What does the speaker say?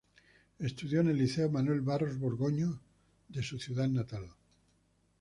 Estudió en el Liceo Manuel Barros Borgoño de su ciudad natal.